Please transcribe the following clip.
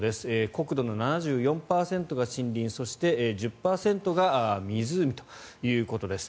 国土の７４％が森林そして１０％が湖ということです